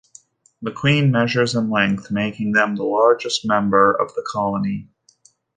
The queen measures in length, making them the largest member of the colony.